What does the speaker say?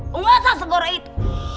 penguasa segoro itu